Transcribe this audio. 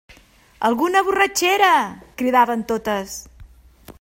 Alguna borratxera! –cridaven totes.